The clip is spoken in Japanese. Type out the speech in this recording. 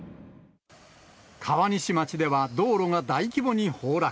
川西町では道路が大規模に崩落。